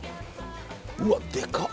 うわでかっ！